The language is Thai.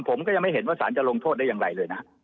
ผมก็ยังไม่เห็นว่าสารจะลงโทษได้อย่างไรเลยนะ